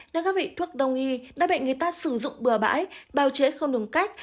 nên các vị thuốc đồng nghi đã bị người ta sử dụng bừa bãi bào chế không đúng cách